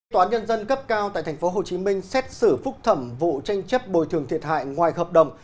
tòa án nhân dân cấp cao tại tp hcm xét xử phúc thẩm vụ tranh chấp bồi thường thiệt hại ngoài hợp đồng